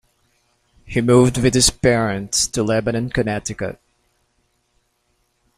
He moved with his parents to Lebanon, Connecticut.